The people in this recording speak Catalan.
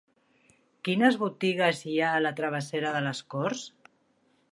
Quines botigues hi ha a la travessera de les Corts?